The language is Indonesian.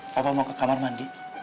bapak mau ke kamar mandi